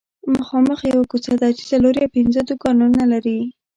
مخامخ یوه کوڅه ده چې څلور یا پنځه دوکانونه لري